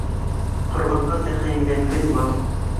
Ҡорбанға тәғәйенләнгән мал.